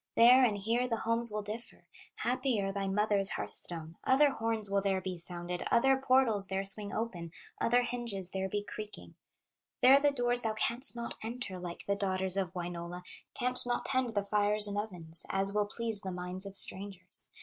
There and here the homes will differ, Happier thy mother's hearth stone; Other horns will there be sounded, Other portals there swing open, Other hinges there be creaking; There the doors thou canst not enter Like the daughters of Wainola, Canst not tend the fires and ovens As will please the minds of strangers.